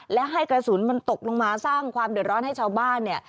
และให้กระสุนมันตกลงมาสร้างความเดือดร้อนให้ชาวบ้านเนี่ย